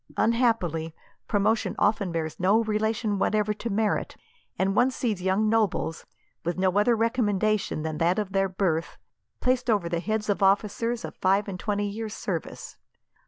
Unhappily, promotion often bears no relation whatever to merit; and one sees young nobles, with no other recommendation than that of their birth, placed over the heads of officers of five and twenty years service.